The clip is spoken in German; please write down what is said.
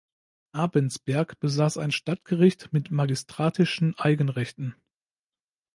Abensberg besaß ein Stadtgericht mit magistratischen Eigenrechten.